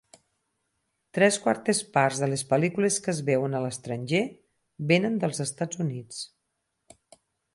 Tres quartes parts de les pel·lícules que es veuen a l'estranger vénen dels Estats Units.